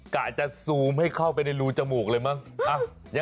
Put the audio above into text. กะจะสูงให้เข้าไปในรูจมูกเลย